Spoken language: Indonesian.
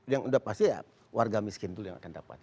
yang udah pasti ya warga miskin dulu yang akan dapat